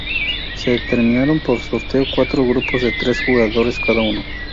Se determinaron por sorteo cuatro grupos de tres jugadores cada uno.